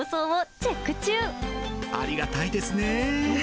ありがたいですね。